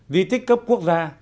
di tích cấp quốc gia